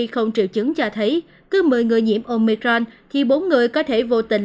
không triệu chứng cho thấy cứ một mươi người nhiễm omicron thì bốn người có thể vô tình